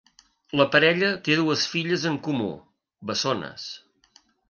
La parella té dues filles en comú, bessones.